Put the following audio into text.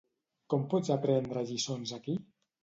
Com pots aprendre lliçons aquí?